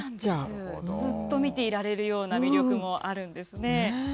ずっと見ていられるような魅力もあるんですね。